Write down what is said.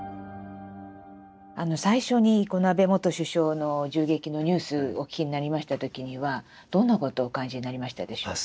最初にこの安倍元首相の銃撃のニュースをお聞きになりました時にはどんなことをお感じになりましたでしょう？